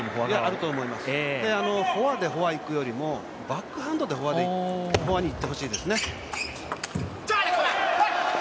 あると思います、フォアでフォアいくよりもバックハンドでフォアにいってほしいですね。